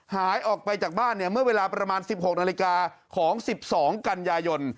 หายออกไปจากบ้านเนี่ยเมื่อเวลาประมาณ๑๖นาฬิกาของ๑๒กันยายน